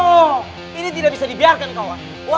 oh ini tidak bisa dibiarkan kawan